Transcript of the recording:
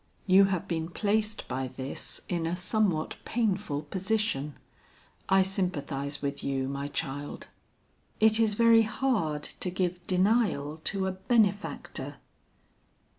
"You have been placed by this in a somewhat painful position. I sympathize with you, my child. It is very hard to give denial to a benefactor."